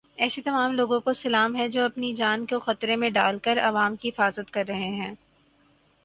ایسے تمام لوگوں کو سلام ہے جو اپنی جان کو خطرے میں ڈال کر عوام کی حفاظت کر رہے ہیں۔